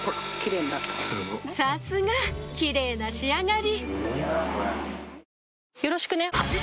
さすがキレイな仕上がり